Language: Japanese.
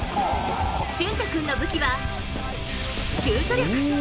竣太君の武器は、シュート力。